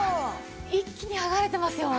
一気に剥がれてますよ。